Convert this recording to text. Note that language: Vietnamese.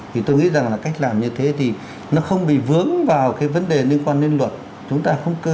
thì tôi nghĩ rằng là cách làm như thế thì nó không bị vướng vào cái vấn đề liên quan đến luật